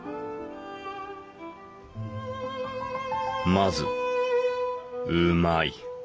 まずうまい。